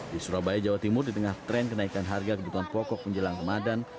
di surabaya jawa timur di tengah tren kenaikan harga kebutuhan pokok menjelang ramadan